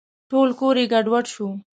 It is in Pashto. ټول کور یې ګډوډ شو .